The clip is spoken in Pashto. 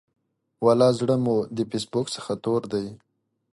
ولا زړه مو د فیسبوک څخه تور دی.